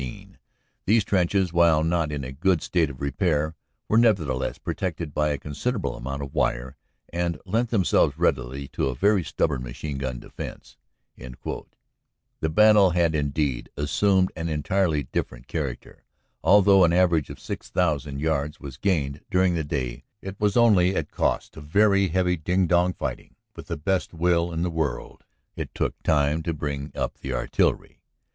These trenches, while not in a good state of repair, were, nevertheless, protected by a consid erable amount of wire, and lent themselves readily to a very stubborn machine gun defense." The battle had indeed assumed an entirely different char acter. Although an average of six thousand yards was gained during the day, it was only at cost of very heavy ding dong fighting. With the best will in the world it took time to bring up the artillery.